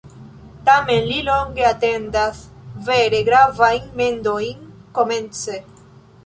Tamen li longe atendas vere gravajn mendojn komence.